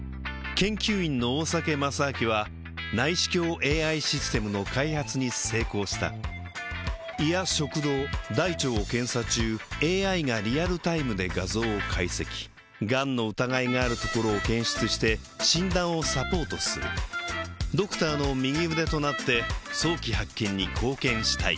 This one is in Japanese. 研究員の大酒正明は内視鏡ＡＩシステムの開発に成功した胃や食道大腸を検査中ＡＩがリアルタイムで画像を解析がんの疑いがあるところを検出して診断をサポートするドクターの右腕となって早期発見に貢献したい